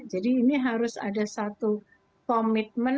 jadi ini harus ada satu komitmen